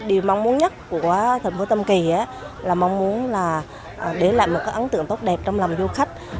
điều mong muốn nhất của thành phố tam kỳ là mong muốn là để lại một cái ấn tượng tốt đẹp trong lòng du khách